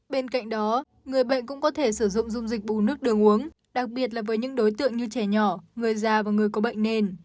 bên cạnh đó người bệnh cũng có thể sử dụng dung dịch bù nước đường uống đặc biệt là với những đối tượng như trẻ nhỏ người già và người có bệnh nền